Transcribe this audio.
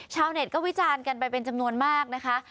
ชาวเน็ตก็วิจารณ์กันไปเป็นจำนวนมากนะคะ